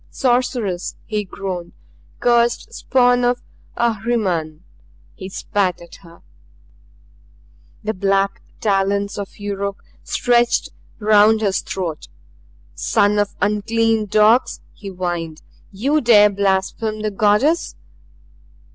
"Sorceress!" he groaned. "Cursed spawn of Ahriman!" He spat at her. The black talons of Yuruk stretched around his throat "Son of unclean dogs!" he whined. "You dare blaspheme the Goddess!"